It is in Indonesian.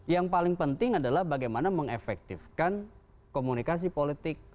yang paling penting adalah bagaimana mengefektifkan komunikasi politik